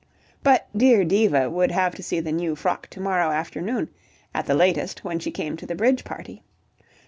But dear Diva would have to see the new frock to morrow afternoon, at the latest, when she came to the bridge party.